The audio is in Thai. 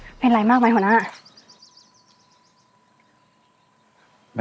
ฉันจะตัดพ่อตัดลูกกับแกเลย